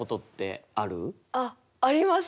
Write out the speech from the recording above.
あっあります！